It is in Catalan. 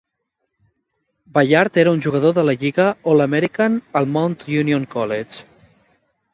Ballard era un jugador de la lliga All American al Mount Union College.